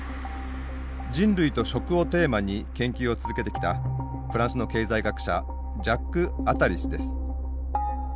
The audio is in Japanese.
「人類と食」をテーマに研究を続けてきたフランスの経済学者ジャック・アタリ氏です。